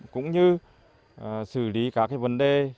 cũng như xử lý các vấn đề